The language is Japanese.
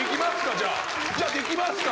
じゃあ。じゃあできますか？